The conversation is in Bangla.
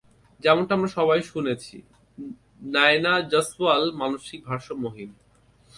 যেমনটা আমরা সবাই শুনেছি, নায়না জয়সওয়াল মানসিক ভারসাম্যহীন।